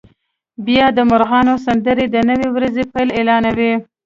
بیا د مرغانو سندرې د نوې ورځې پیل اعلانوي